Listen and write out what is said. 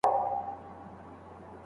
څېړونکی د خپلي مقالې مسوده پخپله لیکي.